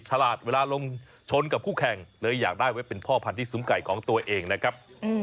ฉลาดเวลาลงชนกับคู่แข่งเลยอยากได้ไว้เป็นพ่อพันธุ์ซุ้มไก่ของตัวเองนะครับ